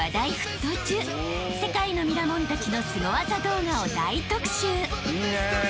［世界のミラモンたちのスゴ技動画を大特集！］